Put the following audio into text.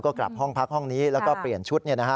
ก็กลับห้องพักห้องนี้แล้วก็เปลี่ยนชุด